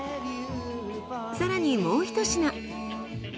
更にもう１品。